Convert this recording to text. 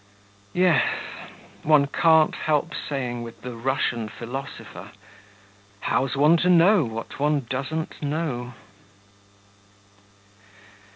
Yes, one can't help saying with the Russian philosopher 'How's one to know what one doesn't know?'